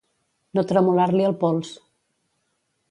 No tremolar-li el pols.